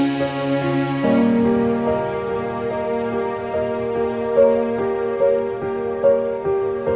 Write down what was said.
sibuk banget sama urusan teror ini